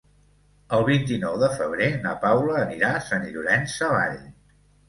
El vint-i-nou de febrer na Paula anirà a Sant Llorenç Savall.